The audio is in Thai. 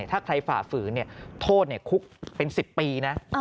ถ้าใครฝ่าฝืนโทษคุกเป็น๑๐ปีนะ